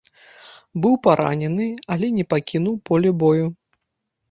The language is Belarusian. Быў паранены, але не пакінуў поле бою.